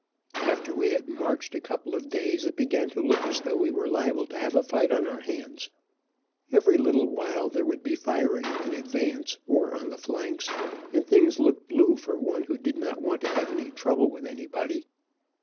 After we had marched a couple of days it began to look as though we were liable to have a fight on our hands. Every little while there would be firing in advance, or on the flanks, and things looked blue for one who did not want to have any trouble with anybody.